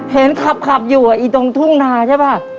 เห็นขับอยู่อีตรงทุ่งนาใช่ป่ะ